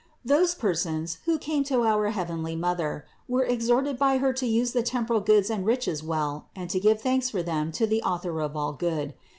352. Those persons, who came to our heavenly Mother, were exhorted by Her to use the temporal goods and riches well and to give thanks for them to the Author of all good.